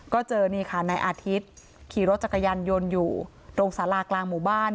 ก็เจอนี่ค่ะนายอาทิตย์ขี่รถจักรยานยนต์อยู่ตรงสารากลางหมู่บ้าน